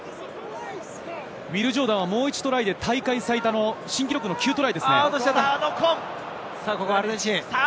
ウィル・ジョーダンは、もう１トライで大会最多の９トライですね。